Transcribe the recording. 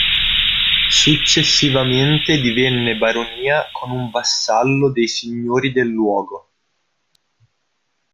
Successivamente divenne baronia con un vassallo dei signori del luogo.